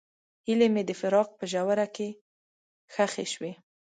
هیلې مې د فراق په ژوره کې ښخې شوې.